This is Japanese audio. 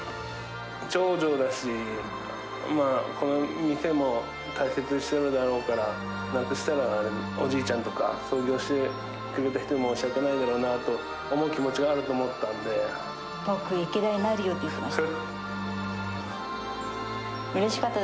長女だし、この店も大切にしているだろうから、なくしたらおじいちゃんとか、創業してくれた人に申し訳ないだろうなという思いがあると思った僕、池田になるよって言ってました。